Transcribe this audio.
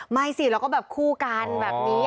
ไม่สิแล้วก็แบบคู่กันแบบนี้